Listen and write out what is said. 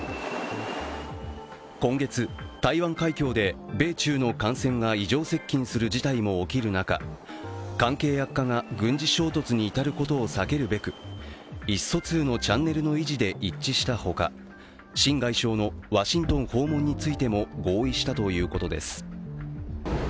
今月、台湾海峡で米中の艦船が異常接近する事態も起きる中関係悪化が軍事衝突に至ることを避けるべく意思疎通のチャンネルの維持で一致したほか秦外相のワシントン訪問についても合意したということです。